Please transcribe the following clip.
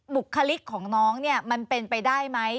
บุคลิกของน้องเนี่ยมันเป็นไปได้ไหม